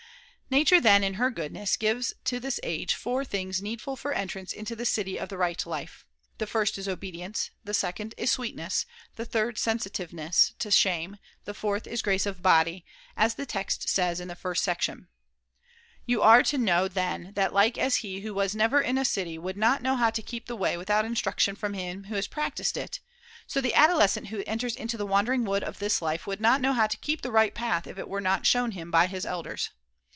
Nature then, in her goodness, gives to this i. ii. Hi. iv. age four things needful for entrance into the city of the right life. The first is obedience, the second is sweetness, the third sensitiveness to shame, the fourth is grace of body, as the «. text says in the first section. You are to know [120J then that like as he who was never in a city would not know how to keep the way without instruction from him who has practised it, so the adolescent who enters into the XXIV. THE FOURTH TREATISE 351 wandering wood of this life would not know Of obedi how to keep the right path if it were not shown ence him by his elders.